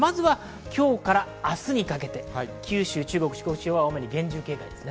今日から明日にかけて九州、中国、四国地方は厳重警戒です。